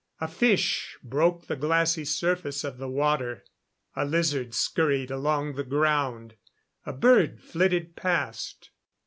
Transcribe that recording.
A fish broke the glassy surface of the water; a lizard scurried along the ground; a bird flitted past.